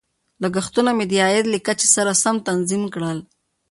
لګښتونه مې د عاید له کچې سره سم تنظیم کړل.